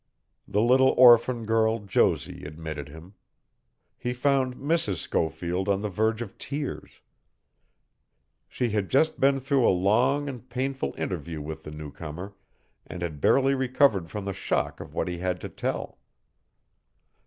The little orphan girl Josie admitted him. He found Mrs. Schofield on the verge of tears. She had just been through a long and painful interview with the newcomer, and had barely recovered from the shock of what he had to tell.